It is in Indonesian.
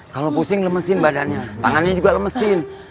kalau pusing lemesin badannya tangannya juga lemesin